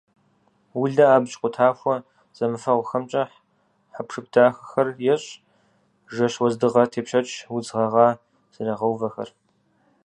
Улэ абдж къутахуэ зэмыфэгъухэмкӏэ хэпшып дахэхэр ещӏ: жэщ уэздыгъэ, тепщэч, удз гъэгъа зрагъэувэхэр.